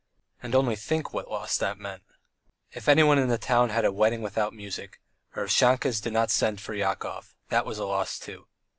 And only think, what a loss that meant. If anyone in the town had a wedding without music, or if Shahkes did not send for Yakov, that was a loss, too.